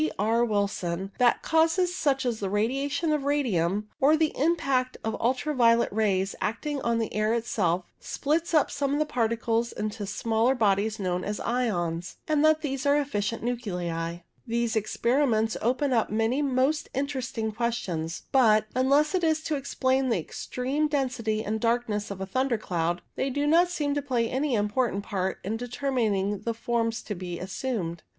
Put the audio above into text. R. Wilson that causes such as the radiations of radium, or the impact of ultra violet rays, acting on the air itself, splits up some of its particles into the smaller bodies known as ions, and that these are efficient nuclei. These experiments open up many most interesting questions, but, unless it is to explain the extreme density and darkness of a thunder cloud, they do not seem to play any important part in determining the forms to be assumed.